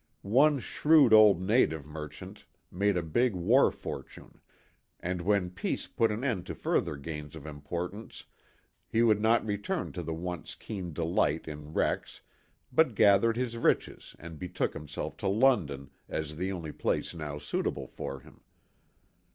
One shrewd old " native " merchant made a big "war fortune" and when peace put an end to further gains of importance he would not return to the once keen delight in wrecks but gathered his riches and betook himself to London as the only place now suitable for him.